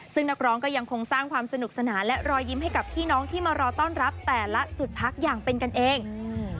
ซึ่งนักร้องก็ยังคงสร้างความสนุกสนานและรอยยิ้มให้กับพี่น้องที่มารอต้อนรับแต่ละจุดพักอย่างเป็นกันเองอืม